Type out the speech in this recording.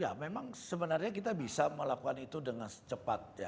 ya memang sebenarnya kita bisa melakukan itu dengan secepat